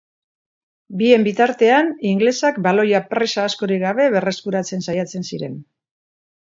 Bien bitartean, ingelesak baloia presa askorik gabe berreskuratzen saiatzen ziren.